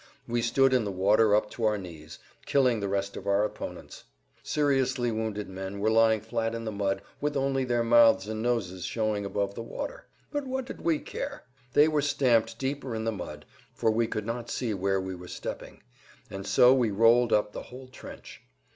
We stood in the water up to our knees, killing the rest of our opponents. Seriously wounded men were lying flat in the mud with only their mouths and noses showing above the water. But what did we care! They were stamped deeper in the mud, for we could not see where we were stepping; and so we rolled up the whole trench.